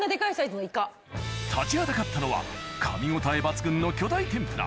立ちはだかったのはかみ応え抜群の巨大天ぷら